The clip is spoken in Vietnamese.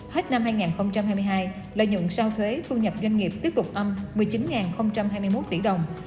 hết năm hai nghìn hai mươi hai lợi nhuận sau thuế thu nhập doanh nghiệp tiếp tục âm một mươi chín hai mươi một tỷ đồng